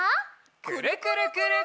「くるくるくるっ」！